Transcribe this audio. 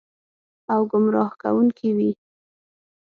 او ګمراه کوونکې وي.